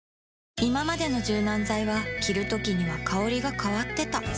いままでの柔軟剤は着るときには香りが変わってた